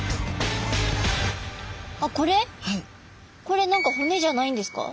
これ何か骨じゃないんですか？